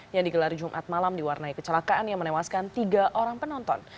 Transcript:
yang digelar jumat malam diwarnai kecelakaan yang menewaskan tiga orang penonton